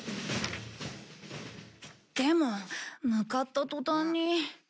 でも向かった途端に。